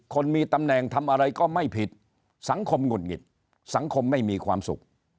คนมีตำแหน่งทำอะไรก็ไม่ผิดสังคมหงุดหงิดสังคมไม่มีความสุข